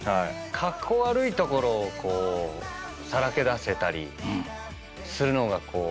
カッコ悪いところをこうさらけ出せたりするのがこう。